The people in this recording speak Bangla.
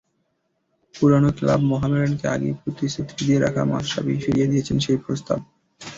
পুরোনো ক্লাব মোহামেডানকে আগেই প্রতিশ্রুতি দিয়ে রাখা মাশরাফি ফিরিয়ে দিয়েছেন সেই প্রস্তাব।